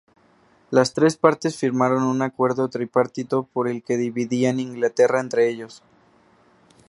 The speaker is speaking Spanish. Las tres partes firmaron un Acuerdo Tripartito por el que dividían Inglaterra entre ellos.